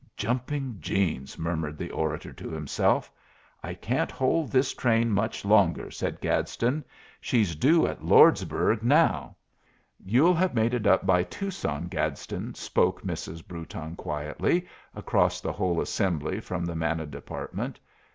"Jumping Jeans!" murmured the orator to himself. "I can't hold this train much longer," said Gadsden; "she's due at Lordsburg now." "You'll have made it up by Tucson, Gadsden," spoke Mrs. Brewton, quietly, across the whole assembly from the Manna Department.